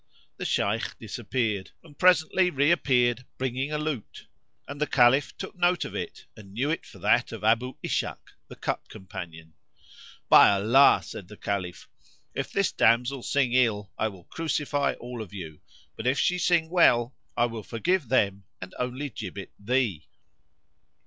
The Shaykh disappeared and presently reappeared bringing a lute; and the Caliph took note of it and knew it for that of Abu Ishak the Cup companion.[FN#55] "By Allah," said the Caliph, "if this damsel sing ill I will crucify all of you; but if she sing well I will forgive them; and only gibbet thee."